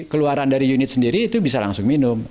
keluaran dari unit sendiri itu bisa langsung minum